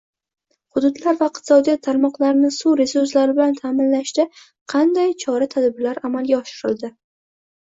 Hududlar va iqtisodiyot tarmoqlarini suv resurslari bilan ta’minlashda qanday chora-tadbirlar amalga oshirildi?